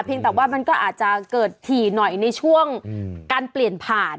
แต่ว่ามันก็อาจจะเกิดถี่หน่อยในช่วงการเปลี่ยนผ่าน